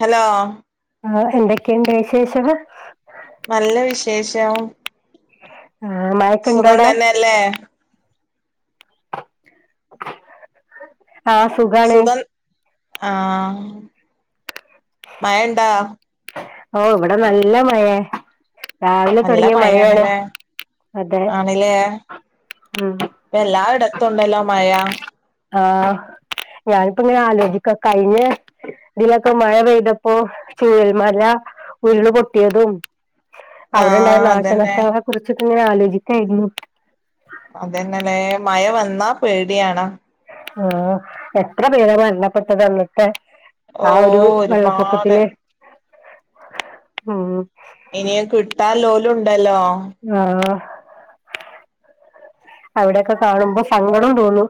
Hello ആഹ് എന്തൊക്കെണ്ട് വിശേഷം നല്ല വിശേഷം. ആ, സുഖം മഴക്കുണ്ടോടെ തന്നെയല്ലേ? ആഹ് സുഖാണ് സുഖം ആഹ് മയണ്ടാ? ഓഹ് ഇവിടെ നല്ല മയയെ രാവിലെ തൊടങ്ങിയ മഴയാണ് അതെ ആണ് ല്ലേ ഉം. ഇപ്പ എല്ലായിടത്തും ഉണ്ടല്ലോ മയ ആഹ് ഞാനിപ്പോ ഇങ്ങനെ ആലോചിക്കാ കഴിഞ്ഞെ ഇതിലൊക്കെ മഴ പെയ്തപ്പോ ചൂരൽ മല ഉരുള് പൊട്ടിയതും അവിടെ ഇണ്ടായ ആഹ് അതന്നെ നാശനഷ്ട്ടങ്ങളെ കുറിച്ചിടച്ചൊക്കെ ഇങ്ങനെ ആലോചിക്കായിരുന്നു അതന്നെല്ലെ മയ വന്നാ പേടിയാണ് ആഹ് എത്ര പേരാ മരണപ്പെട്ടത് അന്നത്തെ ഓ ആ ഒരു ഒരുപാട് വെള്ളപ്പൊക്കത്തില് ഉം ഇനിയാ കിട്ടാൻ ലോലും ഇണ്ടല്ല് ആഹ് അവിടെയൊക്കെ കാണുമ്പോ സങ്കടോം തോന്നും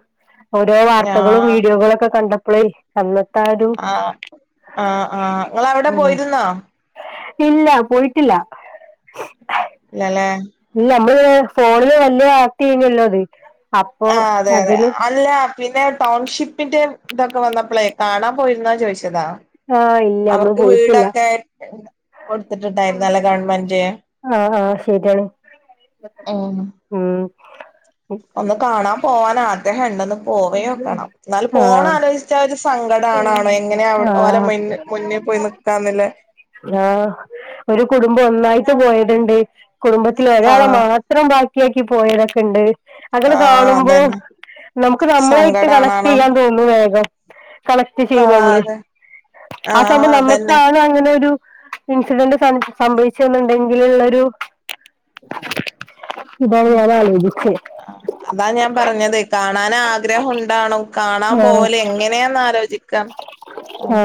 ഓരോ ഞാ വാർത്തകളും വീഡിയോകളൊക്കെ കണ്ട പ്പളേ അന്നത്ത് ആഹ് ആഹ് ആഹ് ഇങ്ങളവിടെ ഉം. പോയിരുന്നോ? ഇല്ല പോയിട്ടില്ല ഇല്ലല്ലേ? ഇല്ല അമ്മള് ഫോണില് വെല്യ വാർത്തയേനിയല്ലോ അത്. അപ്പോ ആഹ് അതെ അതെ അതില് അല്ല പിന്നെ ടൗൺഷിപ്പിന്റെ ഇതൊക്കെ വന്നപ്പളെ കാണാൻ പോയിരുന്നോ ചോദിച്ചതാ ആ ഇല്ല നമ്മള് അവർക്ക് പോയിട്ടില്ല വീടൊക്കെ കൊടുത്തിട്ടുണ്ടായിരുന്നല്ലോ ഗവണ്മെന്റ് വീട്കള് ഉം ഒന്ന് കാണാൻ പോവാന് ആഗ്രഹം ഇണ്ടെന്ന് പോയോക്കണം എന്നാല് ആ പോണഹ് ആലോയ്ച്ചാ ഒരു സങ്കടം ആണണോയ് എങ്ങനെ ആ ഓലെ മു മുന്ന് പോയി ന്ന്ക്കാന്ന്ല്ലേ ആഹ് ഒരു കുടുംബം ഒന്നായ്ട്ട് പോയത്ണ്ട് കുടുംബത്തില് ഒരാളെ ആഹ് മാത്രം ബാക്കിയാക്കി പോയോലൊക്കെ ഇണ്ട് അതണ്ട് ആഹ് കാണുമ്പോ അതന്നെ നമുക്ക് നമ്മളായിട്ട് കണക്ട് സങ്കടാണാണോ ചെയ്യാൻ തോന്നോ വേഗം കണക്ക്‌റ്റ് ചെയ്യും ആഹ് നമ്മള് അതെ ആ ആഹ് സമയം അതന്നെ നമക്കാണ് അങ്ങനെ ഒരു ഇൻസിഡന്റ് സംഭവിച്ചത് ന്നുണ്ടെങ്കിലുള്ളൊരു ഉം അതാ ഞാൻ പറഞ്ഞത് കാണാൻ ആ ഗ്രഹം ഉണ്ടാണും കാണാൻ പോല് എങ്ങനെന്ന് ആലോ ഹ്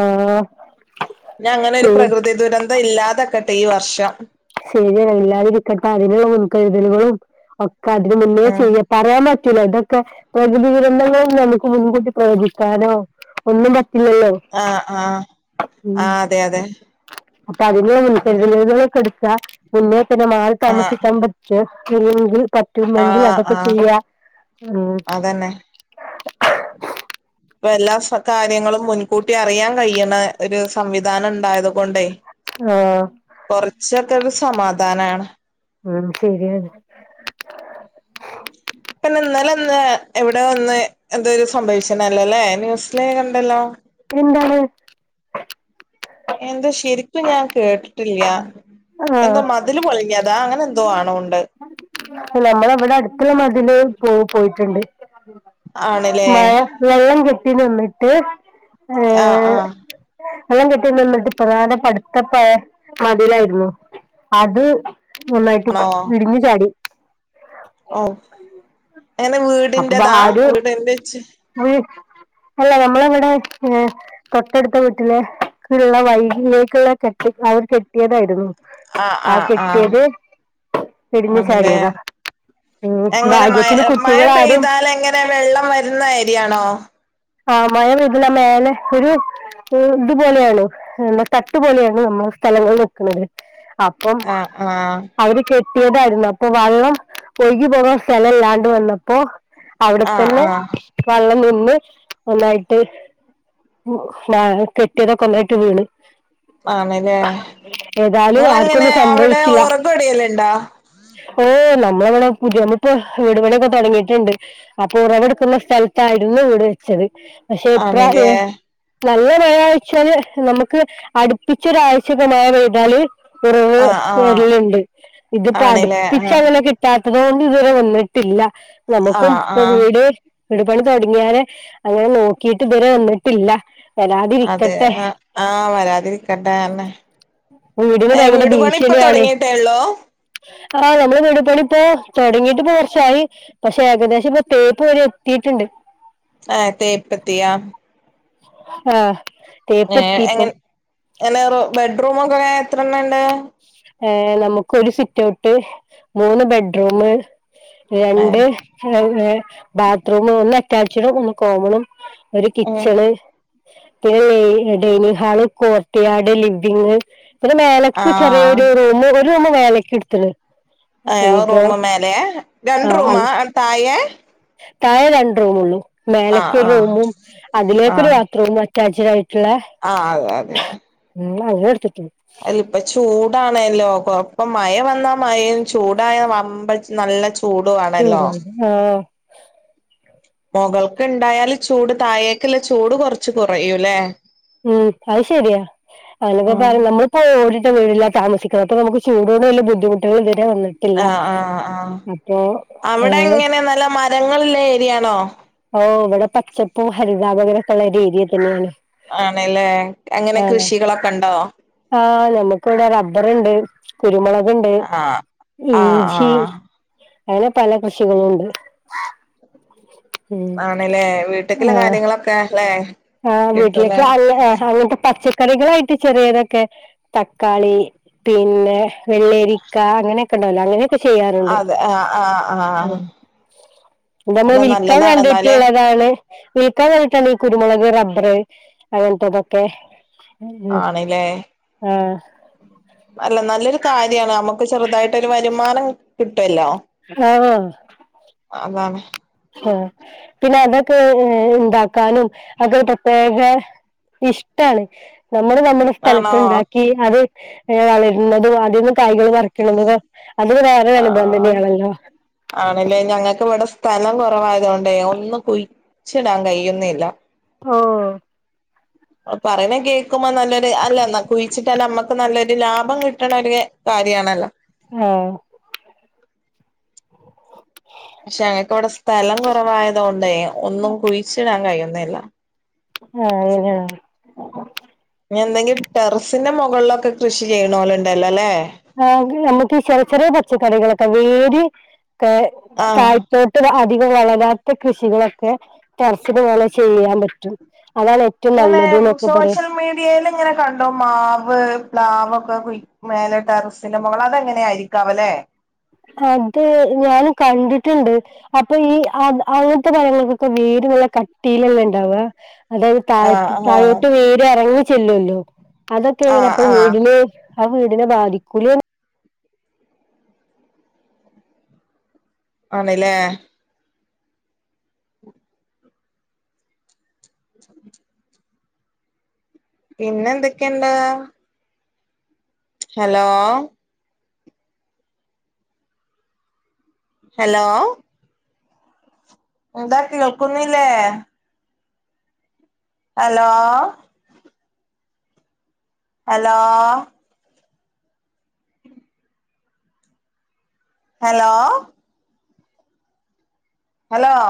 ഇഞ് അങ്ങനെ ഒരു പ്രകൃതി ദുരന്തം ഇല്ലാതക്കട്ടെ ഈ വർഷം ശെരിയാണ് ഇല്ലാതിരിക്കട്ടെ അതിനുള്ള മുൻകരുതലുകളും അതിന് മുന്നേ ഉം ചെയ്യ പറയാൻ പറ്റ് റ്റുല ഇതൊക്കെ പ്രകൃതി ദുരന്തങ്ങളും നമുക്ക് മുൻകൂട്ടി പ്രവചിക്കാനോ ഒന്നും റ്റില്ലല്ലോ ആഹ് ആഹ് ഉം ആഹ് അതെ അതെ അപ്പ അതിലെ മുൻ കരുതലുകള് ത മുന്നേ പിന്നെ മാറി ആഹ് താമസിക്കാൻ പറ്റെങ്കിൽ പറ്റുമെങ്കിൽ ആഹ് അതൊക്കെ ആഹ് ചെയ്യാ ഉം അതന്നെ ഇപ്പ എല്ലാ കാര്യങ്ങളും മുൻകൂട്ടി അറിയാൻ കഴിണെ ഒരു സംവിധാനം ഇണ്ടായത് കൊണ്ടേ ആ, കൊർച്ചൊക്കെ ഒരു സമാധാനാണ് അഹ് ശെര്യാണ് പിന്നെ ഇന്നലൊന്ന് എവിടെ ഒന്ന് എന്തോര് സംഭവിച്ച്നല്ലല്ലേ ന്യൂസില് കണ്ടല്ലോ എന്താണ് എന്താ ശെരിക്കും ഞാൻ കേട്ട്ട്ടില്ല ആഹ് എന്താ മതില് പോളിഞ്ഞതാ അങ്ങനെ എന്തോ ആണോ ഉണ്ട്. [unintelligible] നമ്മള ഇവിടെ അടുത്തുള്ള മതില് പോ പോയിട്ടുണ്ട്. ആണ്ല്ലേ മഴ വെള്ളം കെട്ടി നിന്നിട്ട് ആഹ് ഏഹ് ആഹ് വെള്ളം കെട്ടി നിന്നിട്ടു പ്രധാന [unintelligible] മതിലായിരുന്നു, അത് നന്നായിട്ട് ഇടിഞ്ഞു ചാടി. ഓഹ് എങ്ങനെ? അപ്പൊ വീടിന്റതാ? ആര് ഓള്ടെ എന്താച്ച്? അല്ല നമ്മളവിടെ ഏഹ് തൊട്ടടുത്ത വീട്ടിലേ ക്കുള്ള വഴിയിലേക്കുള്ള കെട്ടി അവർ കെട്ടിയതായിരുന്നു. ആഹ് ആ ആഹ് ആഹ് കെട്ടിയത് ഇടിഞ്ഞു ആണില്ലേ? ചാടിയതാ ഉം അങ്ങനെ മയ ഭാഗ്യത്തിന് മ് മയ കുട്ടികളാരും പെയ്താലെങ്ങനെ? വെള്ളം വരുന്ന ഏരിയാണോ? ആഹ് മഴ പെയ്തണ മേലെ ഒരു ഇതുപോലെയാണ് ഏഹ് തട്ട് പോലെയാണ് നമ്മടെ സ്ഥലങ്ങൾ നിക്കണത്, അപ്പം ആഹ് ആഹ് അവര് കെട് ടിയതായിരുന്നു, അപ്പൊ വള്ളം ഒഴുകി പോകാൻ സ്ഥലം ഇല്ലാണ്ട് വന്നപ്പോ ആഹ് അവിടെത്തന്നെ ആഹ് വള്ളം നിന്ന് ഒന്നായിട്ട് കെട്ടിയതൊക്കെ ഒന്നായിട്ട് വീണ്. ആണ്ല്ലേ ഏതാലും നിങ്ങളെങ്ങനെ ആർക്കൊന്നും അവിടെ സംഭവിച്ചില്ല. ഒറകൊടിയലുണ്ടോ ഓഹ് നമ്മളവിടെ [unintelligible] വീടുപണിയൊക്കെ തുടങ്ങിയിട്ടുണ്ട്. അപ്പൊ ഉറവെടുക്കുന്ന സ്ഥലത്താ യിരുന്നു വീട് വെച്ചത്, പക്ഷെ ഇപ്രാ ആണ്ല്ലേ ഏഹ് നല്ല മഴയാഴ്ച്ചാല് നമുക്ക് അടുപ്പിച്ചൊരാഴ്ചക്ക് മഴ പെയ്താല് ഉറവ ആഹ് ആഹ് വരുന്നുണ്ട്, ഇത് ഇപ്പോ ആണ്ല്ലേ ആഹ് അടുപ്പിച്ചങ്ങനെ കിട്ടാത് തോണ്ട് ഇതുവരെ വന്നിട്ടില്ല, നമുക്കും ആഹ് ഇപ്പൊ ആഹ് വീട് വിട്പണി തുടങ്ങിയാല് അങ്ങനെ നോക്കിട്ട് ഇതുവരെ വന്നിട്ടില്ല. അതെ വരാതിരിക്കട്ടെ ആഹ് വരാതിരിക്കണ്ടേ അന്നേ വീടിന് ഭയങ്കര ഭീഷണിയാണ് ഉള്ളൂ ആഹ് നമ്മള് വീടുപണി ഇപ്പോ തൊടങ്ങീട്ട് ഇപ്പോ കൊറച്ചായി പക്ഷെ ഏകദേശം ഇപ്പൊ തേപ്പ് വരെ എത്തിയിട്ടുണ്ട് ആഹ് തേപ്പെത്തിയാ ആഹ് ഏഹ് എങ്ങൻ എങ്ങനെ ബെഡ്റൂമൊക്കെ എത്ര എണ്ണം ഇണ്ട്? ഏഹ് നമുക്കൊരു സിറ്റൗട്ട് മൂന്ന് ബെഡ്റൂമ് ഏ രണ്ട് എ ഏഹ് ബാത്റൂമ് ഒന്ന് അറ്റാച്ചഡും ഒന്ന് കോമണും ഒരു ഉം കിച്ചണ് പിന്നെ ലെ ഡൈനിങ് ഹാള് കോർട്ടിയാട് ലിവിങ് പിന്നെ മേലക്ക് ചു [unintelligible] ആഹ് ഒരു റൂമ്, ഒരു റൂമ് മേലക്ക് എടുത്തിണ് അതെയോ ഒരു റൂമ് മേലെയാ, രണ്ട് ആ റൂമാ അത് അ തായെ? താഴെ രണ്ട് റൂമുള്ളൂ മേലക്ക് ഒരു ആഹ് റൂമും അതിലേക്കൊരു ആഹ് ബാത്റൂമും അറ്റാച്ച്ട് ആയി ആഹ് അതെ അതെ അതെ എടുത്തിട്ടുള്ളൂ അല്ല ഇപ്പ ചൂ ചൂടാണെല്ലോ കൊ ഇപ്പം മയ വന്നാ മയയും ചൂടായ വമ്പൻ നല്ല ചൂ ചൂടുവാണല്ലോ ആഹ് മൊകൾക്ക് ഇണ്ടായാല് ചൂട് തായേക്ക്ള്ള ചൂട് കൊറച്ച് കൊറയൂല്ലെ? ഉം അത് ശരിയാ ആഹ് [unintelligible] നമ്മളിപ്പോ ഒര് വീട്ടിലാ താമസിക്കണെ അപ്പ നമ്മക്ക് ചൂടോണ്ട് വല്ല ബുദ്ധിമുട്ടുകളും വെരും ആഹ് ആഹ് ആഹ് അവിടെ ഏഹ് എങ്ങനെ നല്ല മരങ്ങളുള്ള ഏരിയയാണോ? ഓഹ് ഇവിടെ പച്ചപ്പും ഹരിതാപകരക്കെള്ള ഒരു ഏരിയേ തന്നെയാണ് ആണ് ല്ലേ എങ്ങനെ ആഹ് കൃഷികളൊക്കെ ഉണ്ടോ? ആഹ് ഞമ്മക്കിവിടെ റബ്ബറ്ണ്ട് കുരുമുളക് ക്ണ്ട് ആഹ് ആഹ് ഇഞ്ചി ആഹ് പല പല കൃഷികളുണ്ട് ഉം ആണല്ലേ വീട്ടുക്കുള്ള ആഹ് കാര്യങ്ങളൊക്കെ അല്ലേ ആഹ് വീട്ടിലേ കിട്ടൂലേ കാര്യം അങ്ങനത്തെ പച്ച ക്കറികളായിട്ട് ചെറിയ ഇതൊക്കെ തക്കാളി പിന്നെ വെള്ളേരിക്ക അങ്ങനെയൊക്കെ ഉണ്ടാവില്ലേ അങ്ങനെ ക്കെ ചെയ്യാറുണ്ട് അതെ ആഹ് ആഹ് ആഹ് ഉം അല്ല ഇതെല്ലാം വിൽക്കാൻ നല്ലതാണ് എന്നാലേ കണ്ടിട്ടുള്ളതാണ് വിൽക്കാൻ വേണ്ടീട്ടാണ് ഈ കുരുമുളക് റബ്ബർ അങ്ങനത്തെ ഇതൊക്കെ ഉം ആണല്ലേ ആഹ് അല്ല നല്ലൊരു കാര്യവാണ് നമുക്ക് ചെറുതായിട്ടൊരു വരുമാനം കിട്ടുവല്ലോ ആഹ് അതാണ് ആ പിന്നെ അതൊക്കെ ഏ ഉണ്ടാക്കാനും അത് പ്രത്യേക ഇഷ്ടാണ് നമ്മള് നമ്മുടെ ആണോ സ്ഥലത്തുണ്ടാക്കി അത് വളരുന്നതും അതീന്ന് കായകൾ പറിക്കണത് അതൊരു വേറെ അനുഭവം ആഹ് തന്നെയാണല്ലോ ആണല്ലേ ഞങ്ങക്ക് ഇവിടെ സ്ഥലം കുറവായത് കൊണ്ടേ ഒന്നും കുഴിച്ചിടാൻ കഴിയുന്നില്ല ഓ പറയുന്നേ കേക്കുമ്പോ നല്ലൊരു അല്ലല്ല കുഴിച്ചിട്ടാ നമ്മക്ക് നല്ലൊരു ഒരു ലാഭം കിട്ടണ ഒരു കാര്യവാണല്ലോ ആഹ് പക്ഷെ ഞങ്ങക്കവിടെ സ്ഥലം കുറവായത് കൊണ്ടേ ഒന്നും കുഴിച്ചിടാൻ കഴിയുന്നില്ല ആഹ് അതേല്ലേ എന്തെങ്കിലും ടെറസിന്റെ മുകളിലൊക്കെ കൃഷി ചെയ്യണ പോലെ ഉണ്ടല്ലോ അല്ലേ ആഹ് നമുക്ക് ചെറിയ ചെറിയ പച്ചക്കറികളൊക്കെ വേരൊ ക്കെ ആഹ് താഴെത്തോട്ട് [unintelligible] വളരാത്ത കൃഷികളൊക്കെ ടറസിനു മേലെ ചെയ്യാൻ പറ്റും അതാണ് ഏറ്റവും അങ്ങനെ നല്ലത് എന്നൊക്കെ പറയാം സോഷ്യൽ മീഡിയൽ ഇങ്ങനെ കണ്ടോ മാവ് പ്ലാവ് ഒക്കെ കു മേല [unintelligible] സിനിമകൾ അതെങ്ങനെയ ആയിരിക്കാവല്ലേ അത് ഞൻ കണ്ടിട്ടുണ്ട് അപ്പൊ ഈ അ അങ്ങനത്തെ പഴങ്ങൾക്കൊക്കെ വരും കട്ടിലല്ല ഉണ്ടാവ അതായത് താഴ ആഹ് ആഹ് താഴോട്ട് വേര് ഇറങ്ങി ചെല്ലുമല്ലോ അതൊക്കെ എങ്ങനെ ആഹ് അപ്പൊ ആഹ് വീടിനെ ആ വീടിനെ ബാധിക്കൂല ആണല്ലേ പിന്നെ എന്തൊക്കെയുണ്ട് ഹലോ ഹലോ എന്താ കേൾക്കുന്നിലെ ഹലോ ഹലോ ഹലോ ഹലോ